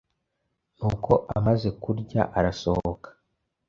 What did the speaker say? Nuko amaze kurya arasohoka;